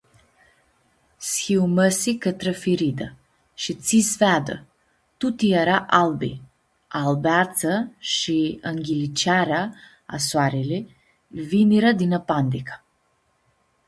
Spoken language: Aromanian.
S-hiumãsi cãtrã firida shi tsi s-veadã, tuti eara albi, a albeatsa shi ãnghiliciarea a soarlii lj-vinirã di napandica.